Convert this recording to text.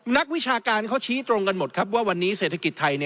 นักวิชาการเขาชี้ตรงกันหมดครับว่าวันนี้เศรษฐกิจไทย